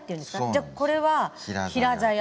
じゃこれは平ざや？